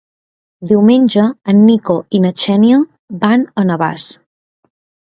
Diumenge en Nico i na Xènia van a Navàs.